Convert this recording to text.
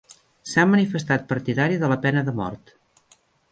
S'ha manifestat partidari de la pena de mort.